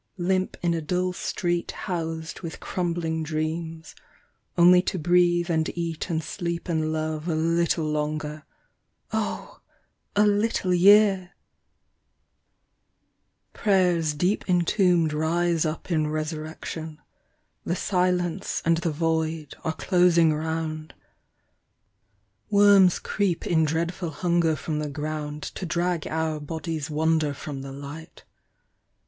Limp in a dull street housed with crumbling dreams; < >nlv to breathe and eat and sleep and love A little longer; oh ! a little yeai ! Prayers deep entombed rise up in resurrection : The silence and the void are closing round : Worms creep in dreadful hunger from the ground Irag oui bodies 1 wondei from the light.